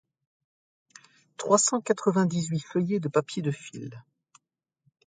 trois cent quatre-vingt-dix-huit feuillets de papier de fil.